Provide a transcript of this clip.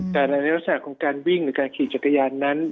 แต่ในลักษณะของการวิ่งหรือการขี่จักรยานนั้น